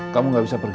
kamu gak bisa pergi